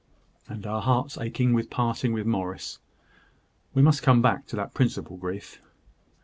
"And our hearts aching with parting with Morris (we must come back to that principal grief).